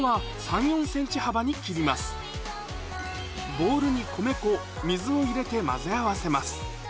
ボウルに米粉水を入れて混ぜ合わせます